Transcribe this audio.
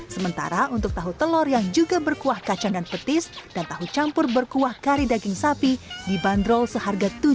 sementara untuk tahu telur yang juga berkuah kacang dan petis dan tahu campur berkuah kari daging sapi dibanderol seharga